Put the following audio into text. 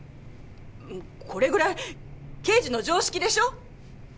んっこれぐらい刑事の常識でしょ。